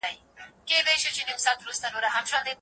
احمد شاه ابدالي څنګه د شخړو حل ته لومړیتوب ورکاوه؟